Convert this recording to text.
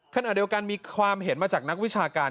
ขณะเดียวกันมีความเห็นมาจากนักวิชาการ